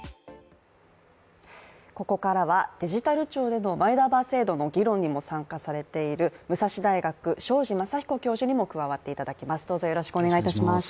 ここからはデジタル庁でのマイナンバー制度の議論にも参加されている武蔵大学、庄司昌彦教授にも加わっていただきます。